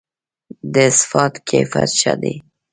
د اسفالټ کیفیت ښه دی؟